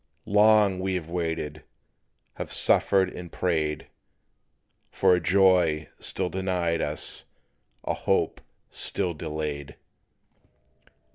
Long we have waited, have suffered and prayed For a joy still denied us, a hope still delayed.